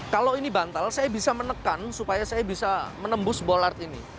kalau ini bantal saya bisa menekan supaya saya bisa menembus bolart ini